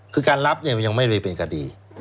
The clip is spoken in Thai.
คือการรับเนี่ยมันยังไม่ได้เป็นคดี